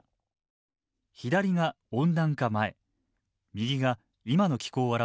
左が温暖化前右が今の気候を表しています。